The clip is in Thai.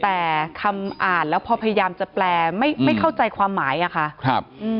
แต่คำอ่านไปนึกว่าพอพยายามจะแปลไม่เข้าใจความหมายอะค่ะ